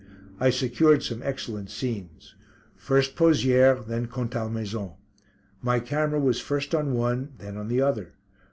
I secured some excellent scenes. First Pozières, then Contalmaison. My camera was first on one then on the other.